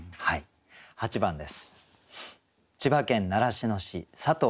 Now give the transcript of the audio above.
８番です。